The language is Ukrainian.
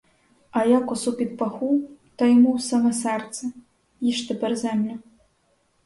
А я косу під паху, та йому у саме серце, їж тепер землю.